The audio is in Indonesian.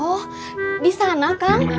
oh disana kan